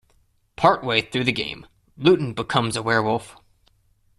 Part way through the game, Lewton becomes a werewolf.